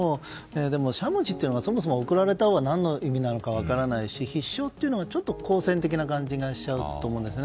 でも、しゃもじというのはそもそも贈られたほうは何の意味なのか分からないし必勝というのはちょっと好戦的な感じがしちゃうと思います。